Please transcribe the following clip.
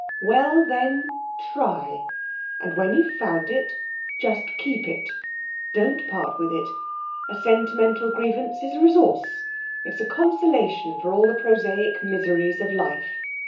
'Well, then, try; and when you've found it, just keep it. Don't part with it. A sentimental grievance is a resource it's a consolation for all the prosaic miseries of life.